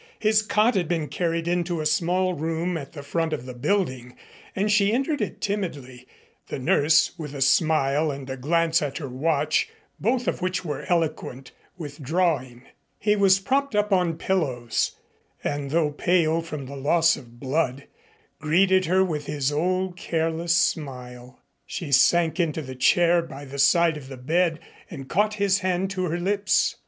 His cot had been carried into a small room at the front of the building, and she entered it timidly, the nurse, with a smile and a glance at her watch, both of which were eloquent, withdrawing. He was propped up on pillows, and though pale from the loss of blood, greeted her with his old careless smile. She sank into the chair by the side of the bed and caught his hand to her lips.